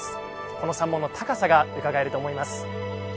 この三門の高さがうかがえると思います。